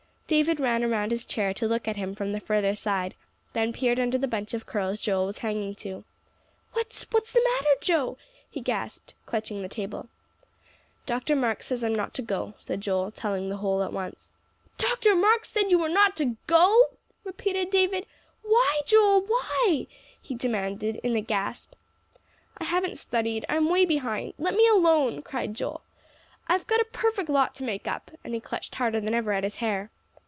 David ran around his chair to look at him from the further side, then peered under the bunch of curls Joel was hanging to. "What's what's the matter, Joe?" he gasped, clutching the table. "Dr. Marks says I'm not to go," said Joel, telling the whole at once. "Dr. Marks said you were not to go!" repeated David. "Why, Joel, why?" he demanded in a gasp. "I haven't studied; I'm way behind. Let me alone," cried Joel. "I've got a perfect lot to make up," and he clutched harder than ever at his hair.